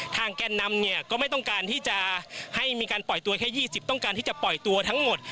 แกนนำเนี่ยก็ไม่ต้องการที่จะให้มีการปล่อยตัวแค่๒๐ต้องการที่จะปล่อยตัวทั้งหมด